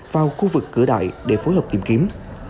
vào khu vực cửa đại để phối hợp tìm kiếm